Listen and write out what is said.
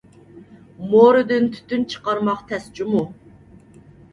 مورىدىن تۈتۈن چىقارماق تەس جۇمۇ!